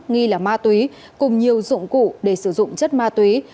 nghi là ma túy cùng nhiều dụng cụ để sử dụng chất ma túy